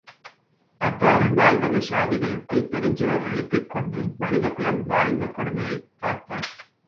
அவ்வாறு, நால்வகைச் சாதிகளுக்குள் பெருஞ்சுவர் எழுப்பிக்கொண்டு மனிதகுலம் வாழ்ந்த கொடுமையைப் பார்த்தார்.